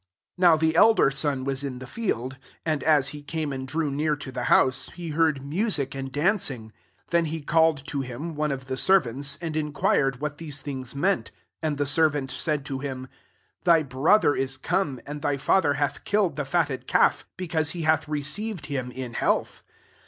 25 " Now the elder son was it the field ; and, as he cune aoAi drew near to the house» be heard music and dancing. 96i Then he called to him one ofc the servants, and inquired wkatk these things meant. 27 And (AH servant said to him, *■ Thft brother is come; and thy &tbiN hath killed the fisitted cal^ be^^ cause he hath received bim health.'